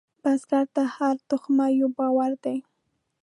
بزګر ته هره تخم یو باور دی